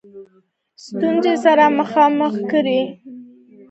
ستونزو سره مخامخ کړه سي.